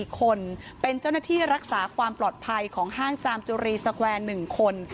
๔คนเป็นเจ้าหน้าที่รักษาความปลอดภัยของห้างจามจุรีสแควร์๑คน